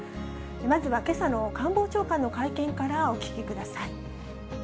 まずはけさの官房長官の会見からお聞きください。